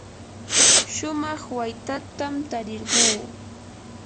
shumaq waytatam tarirquu.